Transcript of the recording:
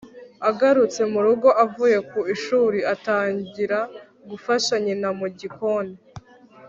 Agarutse mu rugo avuye ku ishuri atangira gufasha nyina mu gikoni